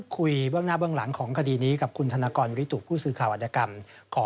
ซึ่งคดีข้างศพนี้ก็ถือว่าเป็นคดีสะเทือนขวัญนะครับ